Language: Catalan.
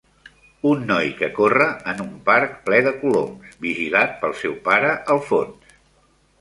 Un noi que corre en un parc ple de coloms, vigilat pel seu pare al fons.